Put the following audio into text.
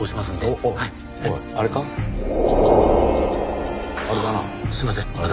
すいません